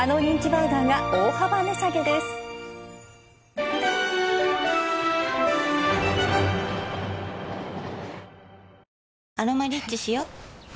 「アロマリッチ」しよ